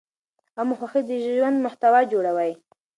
غم او خوښي د ژوند محتوا جوړوي.